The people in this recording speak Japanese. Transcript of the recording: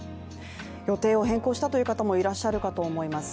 予定を変更したという方もいらっしゃると思います。